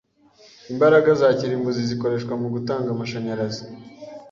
Imbaraga za kirimbuzi zikoreshwa mu gutanga amashanyarazi.